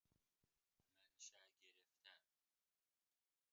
منشاء گرفتن